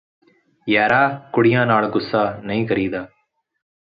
ਯਾਰਾ ਕੁੜੀਆਂ ਨਾਲ ਗੁੱਸਾ ਨਹੀਂ ਕਰੀਦਾ